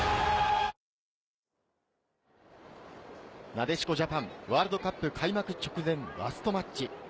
なでしこジャパン、ワールドカップ開幕直前ラストマッチ。